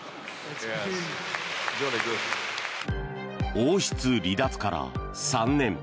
王室離脱から３年。